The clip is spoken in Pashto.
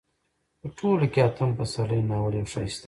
په ټوله کې اتم پسرلی ناول يو ښايسته